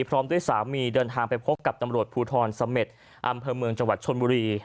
พร้อมด้วยสามีเดินทางไปพบกับตำรวจภูทรเสม็ดอำเภอเมืองจังหวัดชนบุรี